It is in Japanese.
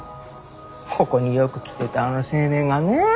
ここによく来てたあの青年がねえ